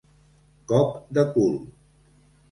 Cop de cul.